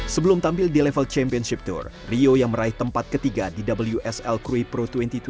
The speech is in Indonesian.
sebelum tampil di level championship tour rio yang meraih tempat ketiga di wsl krui pro dua ribu dua puluh